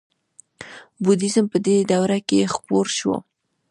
بودیزم په دې دوره کې خپور شو